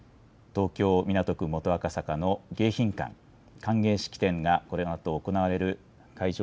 東京港区元赤坂の迎賓館、歓迎式典がこのあと行われる会場